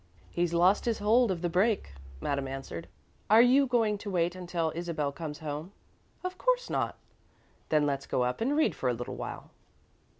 "He's lost his hold of the brake," Madame answered. "Are you going to wait until Isabel comes home?" "Of course not." "Then let's go up and read for a little while."